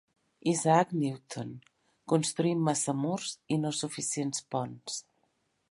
Isaac Newton: construïm massa murs i no suficients ponts.